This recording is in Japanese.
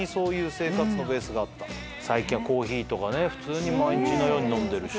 最近はコーヒーとか普通に毎日のように飲んでるし。